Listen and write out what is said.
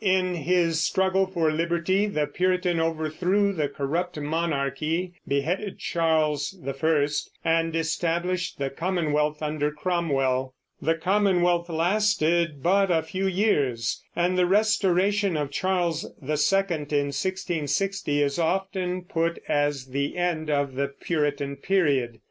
In his struggle for liberty the Puritan overthrew the corrupt monarchy, beheaded Charles I, and established the Commonwealth under Cromwell. The Commonwealth lasted but a few years, and the restoration of Charles II in 1660 is often put as the end of the Puritan period.